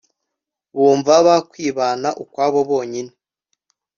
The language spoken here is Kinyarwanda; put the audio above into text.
bumva bakwibana ukwabo bonyine